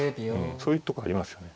そういうとこありますよね。